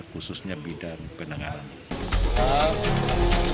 khususnya bidang penanganan